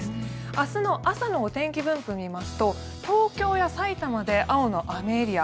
明日の朝のお天気分布を見ますと東京や埼玉で青の雨エリア。